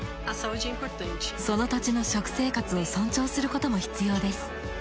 その土地の食生活を尊重することも必要です。